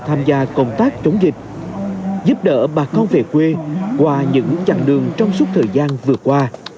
tham gia công tác chống dịch giúp đỡ bà con về quê qua những chặng đường trong suốt thời gian vừa qua